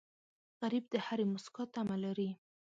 غریب د هرې موسکا تمه لري